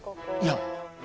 いや。